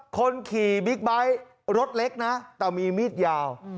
คนขี่บิ๊กไบท์รถเล็กนะแต่มีมีดยาว